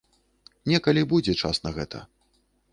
Некалі будзе час на гэта.